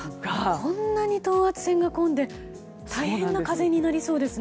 こんなに等圧線が混んでて大変な風になりそうですね。